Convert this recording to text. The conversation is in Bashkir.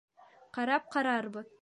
Ҡарап ҡарарбыҙ.